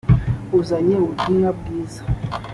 uzanye ubutumwa bwiza